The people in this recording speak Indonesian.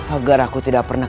agar aku tidak pernah